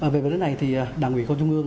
về vấn đề này thì đảng ủy công trung ương